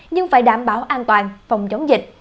nhưng phải đảm bảo an toàn phòng chống dịch